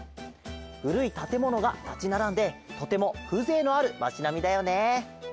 ふるいたてものがたちならんでとてもふぜいのあるまちなみだよね。